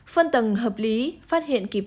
phân tầng hợp lý phát hiện kịp